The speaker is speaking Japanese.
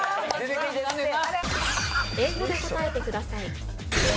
［英語で答えてください］